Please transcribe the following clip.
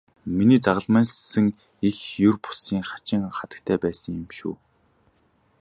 Миний загалмайлсан эх ер бусын хачин хатагтай байсан юм шүү.